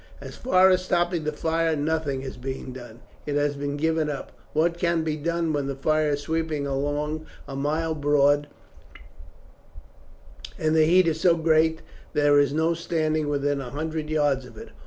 "As far as stopping the fire nothing is being done. It has been given up. What can be done when the fire is sweeping along a mile broad, and the heat is so great that there is no standing within a hundred yards of it?